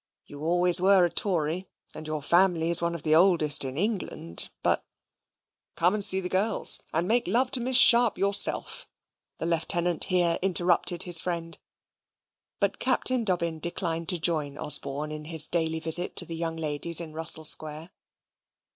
"You always were a Tory, and your family's one of the oldest in England. But " "Come and see the girls, and make love to Miss Sharp yourself," the lieutenant here interrupted his friend; but Captain Dobbin declined to join Osborne in his daily visit to the young ladies in Russell Square.